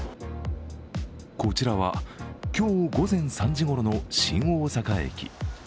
こちらは今日午前３時ごろの新大阪駅。